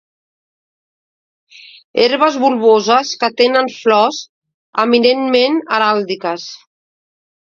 Herbes bulboses que tenen flors eminentment heràldiques.